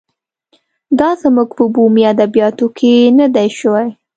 دا زموږ په بومي ادبیاتو کې نه دی شوی.